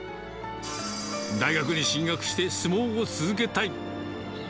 大学に進学して、相撲を続けたい。